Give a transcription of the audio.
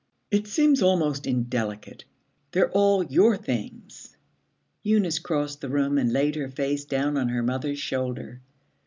It seems almost indelicate. They're all your things.' Eunice crossed the room and laid her face down on her mother's shoulder.